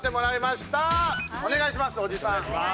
お願いします。